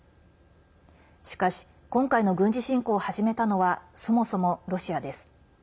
しかし今回の軍事侵攻を始めたのはそもそも、ロシアです。